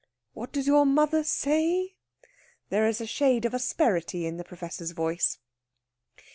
"What does your mother say?" There is a shade of asperity in the Professor's voice.